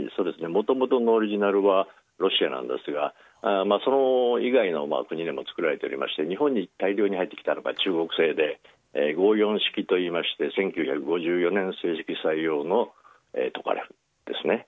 もともとのオリジナルはロシアなんですがそれ以外の国でも作られておりまして日本に大量に入ってきたのは中国製で５４式といいまして１９５４年採用のトカレフですね。